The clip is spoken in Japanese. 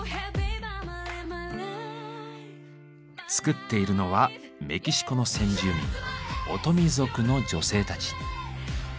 作っているのはメキシコの先住民オトミ族の女性たち。